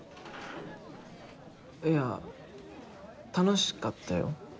いや楽しかったよ。